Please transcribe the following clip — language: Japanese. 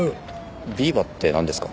「ビバ」ってなんですか？